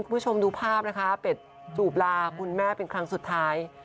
คุณผู้ชมดูภาพนะคะเป็ดจูบลาคุณแม่เป็นครั้งสุดท้าย